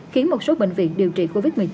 khiến một số bệnh viện điều trị covid một mươi chín